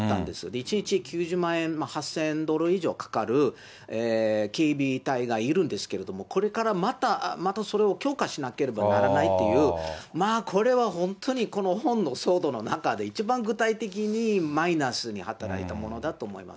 １日９０万円、８０００ドル以上かかる警備隊がいるんですけれども、これからまた、またそれを強化しなければならないというまあ、これは本当にこの本の騒動の中で一番具体的にマイナスに働いたものだと思います。